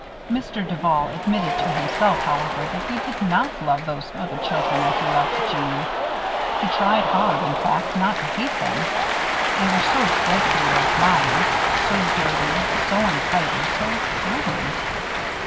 Mr. Duval admitted to himself, however, that he did not love those other children as he loved Jeanne. He tried hard, in fact, not to hate them. They were so dreadfully like Mollie; so dirty, so untidy, so common.